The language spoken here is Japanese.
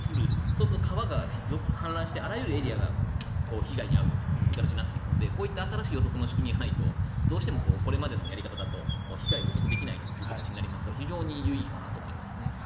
そうすると川が氾濫してあらゆるエリアが被害に遭うような形になっていくのでこういった新しい予測の仕組みがないとどうしてもこれまでのやり方だと被害を予測できないので非常に有意義かなと思います。